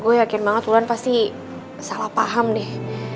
gue yakin banget tuhan pasti salah paham deh